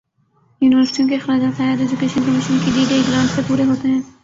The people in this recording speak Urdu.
یونیورسٹیوں کے اخراجات ہائیر ایجوکیشن کمیشن کی دی گئی گرانٹ سے پورے ہوتے ہیں۔